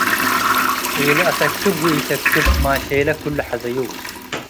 ኢለአሰክብ ወኢሰክብ - ማሼለ ክሉ ሐዘዩ